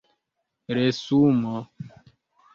resumo